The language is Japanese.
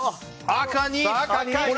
赤２！